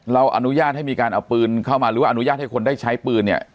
อนุญาตให้มีการเอาปืนเข้ามาหรือว่าอนุญาตให้คนได้ใช้ปืนเนี่ย